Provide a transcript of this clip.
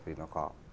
thì nó khó